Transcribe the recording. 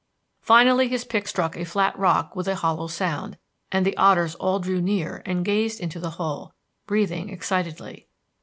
Finally his pick struck a flat rock with a hollow sound, and the otters all drew near and gazed into the hole, breathing excitedly.